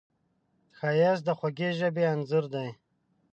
ښایست د خوږې ژبې انځور دی